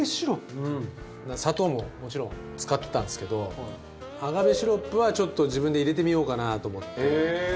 砂糖ももちろん使ってたんですけどアガベシロップはちょっと自分で入れてみようかなと思って。